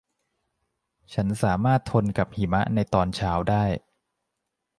ฉันสามารถทนกับหิมะในตอนเช้าได้